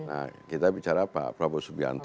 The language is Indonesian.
nah kita bicara pak prabowo subianto